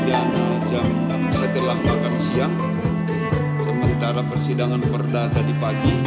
dan jam setelah makan siang sementara persidangan berdah tadi pagi